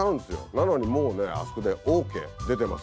なのにもうねあそこでＯＫ出てますから。